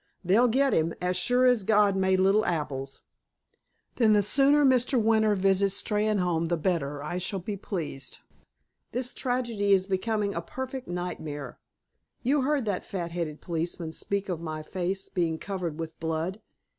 They'll get him, as sure as God made little apples." "Then the sooner Mr. Winter visits Steynholme the better I shall be pleased. This tragedy is becoming a perfect nightmare. You heard that fat headed policeman speak of my face being covered with blood.